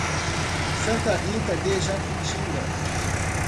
Santa Rita de Jacutinga